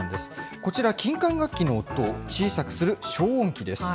こちら、金管楽器の音を小さくする消音器です。